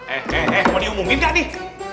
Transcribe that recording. eh eh eh mau diumumin gak nih